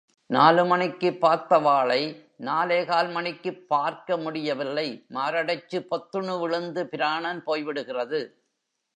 நாலு மணிக்கு பார்த்தாவாளை நாலே கால் மணிக்கு பார்க்க முடியவில்லை மாரடைச்சு பொத்துனு விழுந்து பிராணன் போய் விடுகிறது.